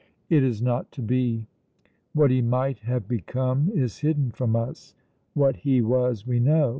It is not to be. What he might have become is hidden from us; what he was we know.